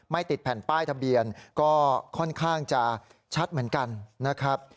ติดแผ่นป้ายทะเบียนก็ค่อนข้างจะชัดเหมือนกันนะครับ